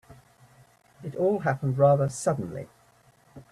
It all happened rather suddenly.